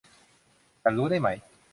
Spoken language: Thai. ฉันรู้ได้ไหม